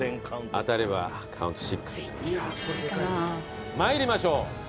当たればカウント６。参りましょう。